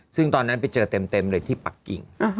ซึ่งตอนนั้นไปเจอเต็มเลยที่ปักกิ่ง